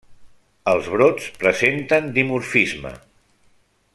Els brots presenten dimorfisme.